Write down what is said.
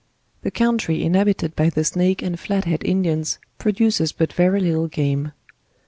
The country inhabited by the Snake and Flathead Indians produces but very little game.